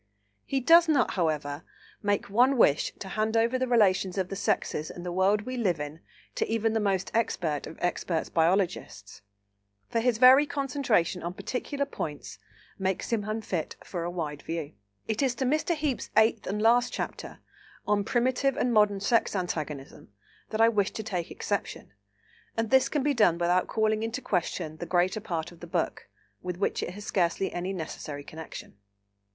He does not, however, make one wish to hand over the relations of the sexes in the world we live in to even the most expert of expert biologists, for his very concentration on particular points makes him unfit for a wide view. It is to Mr. Heape's eighth and last chapter, on "Primitive and Modern Sex Antagonism," that I wish to take exception, and this can be done without calling into question the greater part of the book, with which it has scarcely any necessary connection.